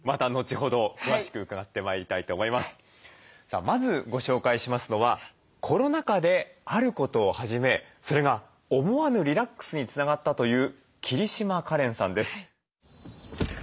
さあまずご紹介しますのはコロナ禍であることを始めそれが思わぬリラックスにつながったという桐島かれんさんです。